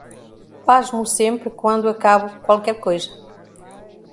Pasmo sempre quando acabo qualquer coisa.